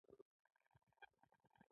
او د ټولو مجاهدینو همدا مفکوره وي.